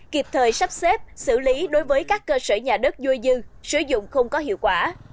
kịp thời sắp xếp xử lý đối với các cơ sở nhà đất vui dư sử dụng không có hiệu quả